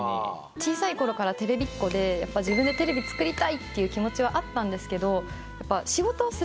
小さい頃からテレビっ子で自分でテレビ作りたいっていう気持ちはあったんですけど。